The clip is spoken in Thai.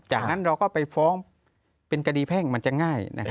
จากนั้นเราก็ไปฟ้องเป็นคดีแพ่งมันจะง่าย